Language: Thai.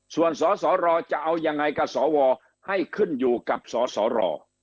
ส่วนสสรจะเอายังไงกับสวให้ขึ้นอยู่กับสสร